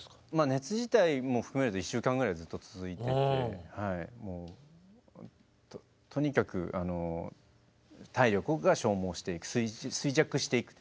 熱自体も含めると１週間ぐらいずっと続いててとにかく体力が消耗していく衰弱していく。